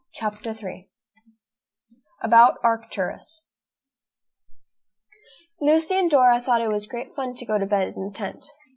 CHAPTER III ABOUT ARCTURUS Lucy and Dora thought it was great fun to go to bed in the tent.